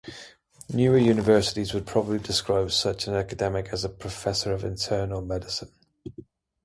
Newer universities would probably describe such an academic as a professor of internal medicine.